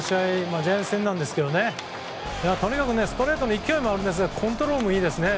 ジャイアンツ戦なんですがとにかくストレートに勢いがあるんですがコントロールもいいですね。